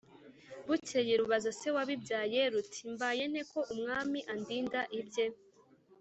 bukeye rubaza se wabibyaye, ruti:” mbaye nte ko umwami andinda ibye,